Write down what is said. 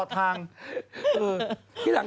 ปันครับ